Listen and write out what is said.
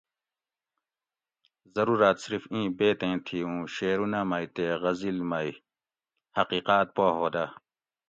ضروراۤت صرف ایں بیت ایں تھی اُوں شعرونہ مئ تے غزِل مئ حقیقاۤت پا ھودہ